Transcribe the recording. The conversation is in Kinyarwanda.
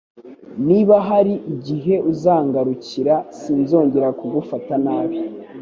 Niba hari igihe uzangarukira sinzongera kugufata nabi